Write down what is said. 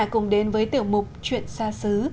cùng đến với tử mục chuyện xa xứ